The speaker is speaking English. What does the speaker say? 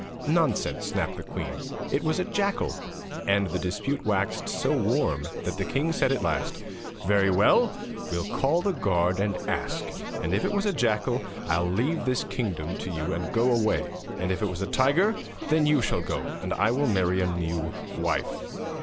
'Nonsense!' snapped the queen. 'It was a jackal.' And the dispute waxed so warm that the king said at last: 'Very well, we'll call the guard and ask; and if it was a jackal I'll leave this kingdom to you and go away; and if it was a tiger then you shall go, and I will marry a new wife.'